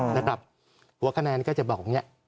ระดับหัวคะแนนก็จะบอก